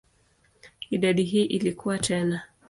Idadi hii ilikua tena.